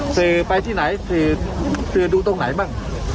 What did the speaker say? สื่อไปที่ไหนสื่อดูตรงไหนบ้าง